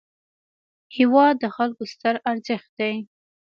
هېواد د خلکو ستر ارزښت دی.